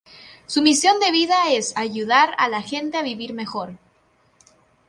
Su misión de vida es "Ayudar a la gente a vivir mejor".